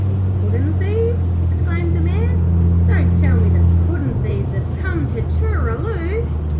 'Puddin' thieves!' exclaimed the Mayor. 'Don't tell me that puddin' thieves have come to Tooraloo.'